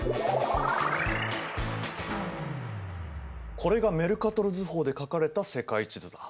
これがメルカトル図法で描かれた世界地図だ。